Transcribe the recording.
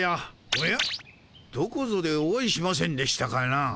おやどこぞでお会いしませんでしたかな？